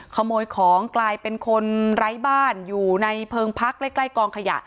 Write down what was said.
ขโมยของกลายเป็นคนไร้บ้านอยู่ในเพลิงพักใกล้ใกล้กองขยะ